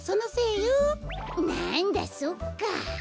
なんだそっか。